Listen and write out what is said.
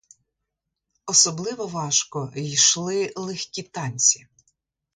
Особливо важко йшли легкі танці.